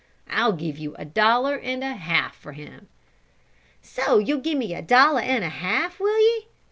I'll give you a dollar and a half for him." "So ye'll give me a dollar and a half, will ye?